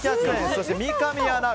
そして三上アナ